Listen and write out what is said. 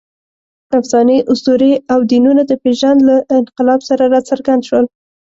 افسانې، اسطورې او دینونه د پېژند له انقلاب سره راڅرګند شول.